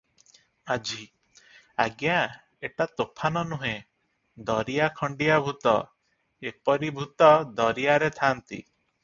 ମାଝି- ଆଜ୍ଞା, ଏଟା ତୋଫାନ ନୁହେଁ, ଦରିଆ ଖଣ୍ଡିଆ ଭୂତ, ଏପରି ଭୂତ ଦରିଆରେ ଥାନ୍ତି ।